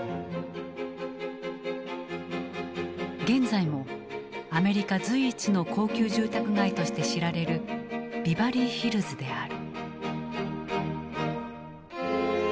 現在もアメリカ随一の高級住宅街として知られるビバリーヒルズである。